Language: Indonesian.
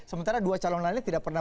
sementara dua calon lainnya tidak pernah